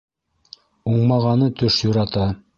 Уңмағаны төш юрата.